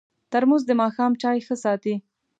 ترموز د ماښام چای ښه ساتي.